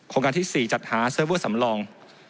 การที่๔จัดหาเซิร์ฟเวอร์สำรอง